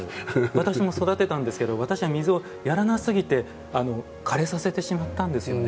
私も育てたんですけど私は水をやらなさ過ぎて枯れさせてしまったんですよね。